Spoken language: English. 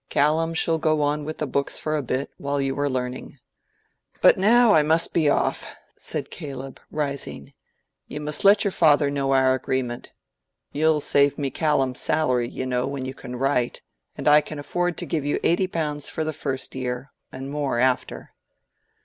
Callum shall go on with the books for a bit, while you are learning. But now I must be off," said Caleb, rising. "You must let your father know our agreement. You'll save me Callum's salary, you know, when you can write; and I can afford to give you eighty pounds for the first year, and more after."